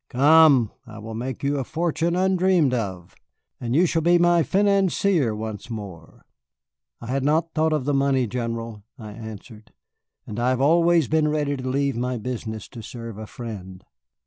Come! I will make you a fortune undreamed of, and you shall be my fianancier once more." "I had not thought of the money, General," I answered, "and I have always been ready to leave my business to serve a friend."